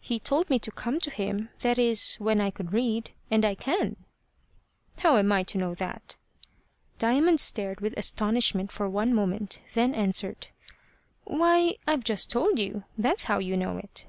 "He told me to come to him that is, when I could read and I can." "How am I to know that?" Diamond stared with astonishment for one moment, then answered: "Why, I've just told you. That's how you know it."